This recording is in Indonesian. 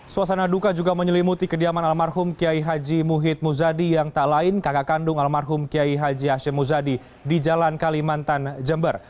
suasana duka juga menyelimuti kediaman almarhum kiai haji muhid muzadi yang tak lain kakak kandung almarhum kiai haji hashim muzadi di jalan kalimantan jember